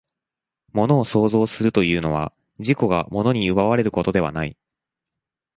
物を創造するというのは、自己が物に奪われることではない。